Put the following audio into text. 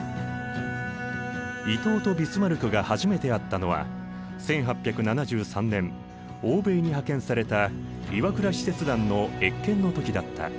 伊藤とビスマルクが初めて会ったのは１８７３年欧米に派遣された岩倉使節団の謁見の時だった。